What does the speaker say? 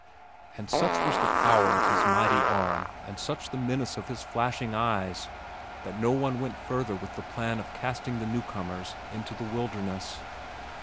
And such was the power of his mighty arm and such the menace of his flashing eyes that no one went further with the plan of casting the new comers into the wilderness.